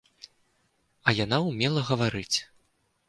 А яна ўмела гаварыць.